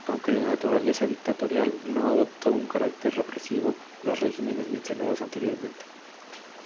Aunque de naturaleza dictatorial, no adoptó un carácter represivo como los regímenes mencionados anteriormente.